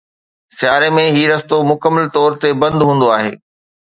سياري ۾ هي رستو مڪمل طور تي بند هوندو آهي